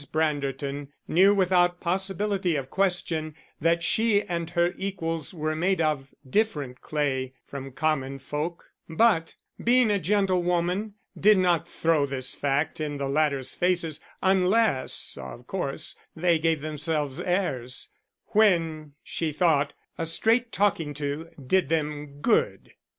Branderton knew without possibility of question that she and her equals were made of different clay from common folk; but, being a gentlewoman, did not throw this fact in the latters' faces, unless, of course, they gave themselves airs, when she thought a straight talking to did them good.